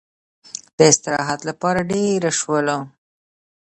د استراحت لپاره دېره شولو.